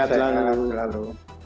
selamat sore salam sehat selalu